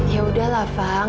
ya udahlah fang